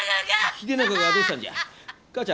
秀長がどうしたんじゃ？